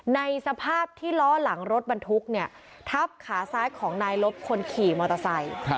ในสภาพที่ล้อหลังรถบรรทุกเนี่ยทับขาซ้ายของนายลบคนขี่มอเตอร์ไซค์